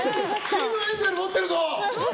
金のエンゼル持ってるぞ！